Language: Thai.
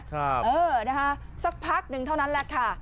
เออนะคะสักพักหนึ่งเท่านั้นแหละค่ะ